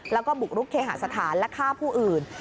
แล้วก็บุกรุกเคหาสถานและฆ่าผู้อื่น